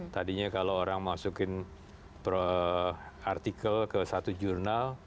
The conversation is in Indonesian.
tadinya kalau orang masukin artikel ke satu jurnal